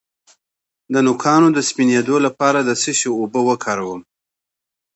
د نوکانو د سپینیدو لپاره د څه شي اوبه وکاروم؟